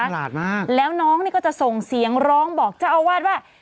หลาดมากแล้วน้องนี่ก็จะส่งเสียงร้องบอกเจ้าอาวาสว่า